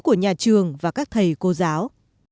của nhà trường và các thầy cô giáo